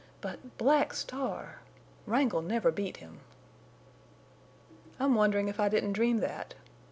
But Black Star!... Wrangle never beat him!" "I'm wondering if I didn't dream that.